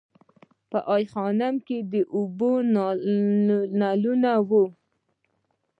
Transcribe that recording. په ای خانم کې د اوبو نلونه وو